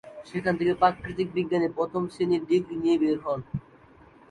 সেখান থেকে প্রাকৃতিক বিজ্ঞানে প্রথম শ্রেণীর ডিগ্রী নিয়ে বের হন।